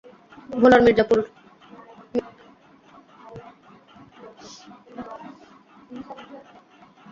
ভোলার মির্জাখালিপুর এলাকায় ফসলি জমি, ভিটেবাড়ি নিয়ে সচ্ছল জীবন ছিল ইয়াসিন মিয়ার।